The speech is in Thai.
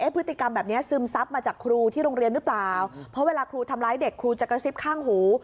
พฤติกรรมแบบนี้ซึมซับมาจากครูที่โรงเรียนหรือเปล่าเพราะเวลาครูทำร้ายเด็กครูจะกระซิบข้างหู